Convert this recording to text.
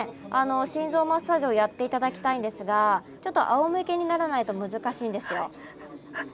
心臓マッサージをやって頂きたいんですがちょっとあおむけにならないと難しいんですよ。